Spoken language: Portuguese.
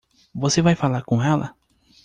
Você vai falar com ela?